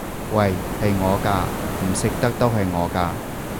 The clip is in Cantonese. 喂！係我㗎！唔食得都係我㗎！